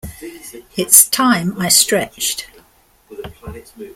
It's time I stretched.